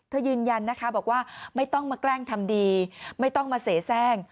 ยืนยันนะคะบอกว่าไม่ต้องมาแกล้งทำดีไม่ต้องมาเสียแทรก